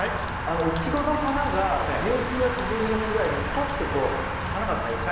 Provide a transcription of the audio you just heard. イチゴの花が１１月１２月ぐらいにぽっとこう花が咲いて。